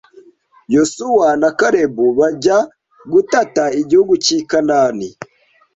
Yosuwa na kalebu bajya gutata igihugu cy'ikanani